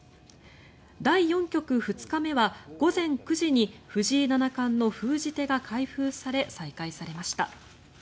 第４局２日目は午前９時に藤井七冠の封じ手が開封され再開されました。